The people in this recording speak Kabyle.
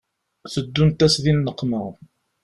Teddunt-as di nneqma